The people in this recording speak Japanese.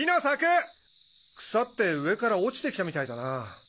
腐って上から落ちてきたみたいだな。